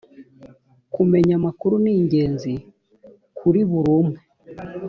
kumenya amakuru ningenzi kuriburumwe.